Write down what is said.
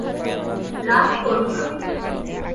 রাগ কোরো না।